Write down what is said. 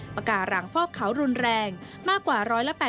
ปากการังฟอกเขารุนแรงมากกว่า๑๘๐